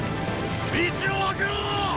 道を開けろォ！